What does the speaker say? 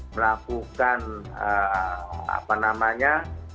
melakukan apa namanya